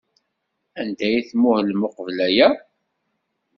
Anda ay muhlent uqbel aya?